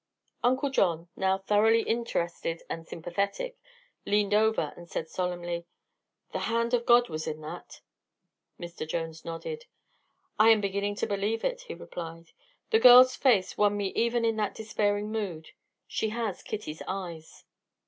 Uncle John, now thoroughly interested and sympathetic, leaned over and said solemnly: "The hand of God was in that!" Mr. Jones nodded. "I am beginning to believe it," he replied. "The girl's face won me even in that despairing mood. She has Kitty's eyes."